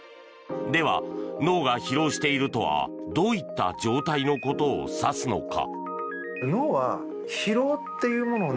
では、脳が疲労しているとはどういった状態のことを指すのか。